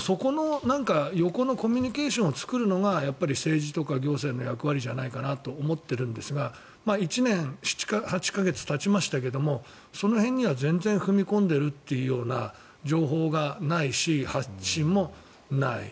そこの横のコミュニケーションを作るのが政治とか行政の役割じゃないかなと思っているんですが１年８か月たちましたけどその辺には全然踏み込んでいるという情報がないし発信もない。